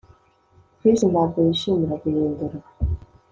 Chris ntabwo yishimira guhindura